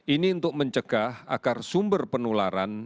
ini untuk mencegah agar sumber penularan